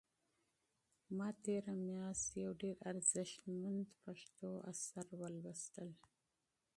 ما تېره میاشت یو ډېر ارزښتمن پښتو اثر مطالعه کړ.